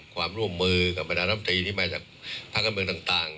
ความร่วมมือกับประธาปตรีที่มาจากภาคเมืองต่าง